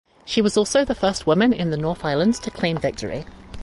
She was also the first woman in the North Island to claim victory.